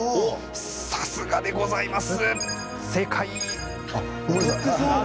さすがでございます。